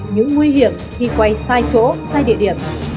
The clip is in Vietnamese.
những nguy hiểm khi quay sai chỗ sai địa điểm